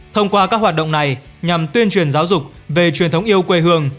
thông qua các hoạt động này nhằm tuyên truyền giáo dục về truyền thống yêu quê hương